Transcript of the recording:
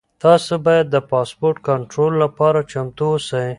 تاسو باید د پاسپورټ کنټرول لپاره چمتو اوسئ.